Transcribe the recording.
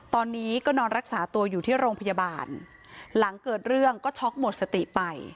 ตอนนี้ก็นอนรักษาตัวอยู่ที่โรงพยาบาลหลังเกิดเรื่องก็ช็อกหมดสติไป